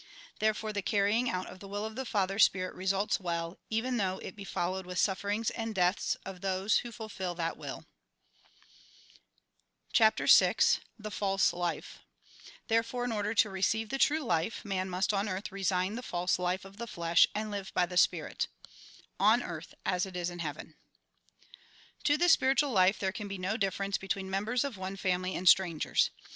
Therefore the carrying out of the will of the Father Spirit results well, even though it be followed with sufferings and deaths of those who fulfil that will" CHAPTEE VI THE FA SE LIFE Therefore, in order to receive the true life, man must on earth resign the false life of the flesh, and Hue by the Spirit {" ®n eartb, ag in beaven ") To the spiritual life there can be no difference between members of one family and strangers.